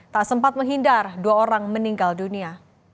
tak sempat menghindar dua orang meninggal dunia